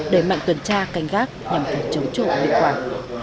đề mạnh tuần tra cảnh gác nhằm phòng chống chỗ liên quan